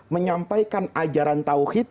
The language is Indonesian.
menyampaikan ajaran tawhid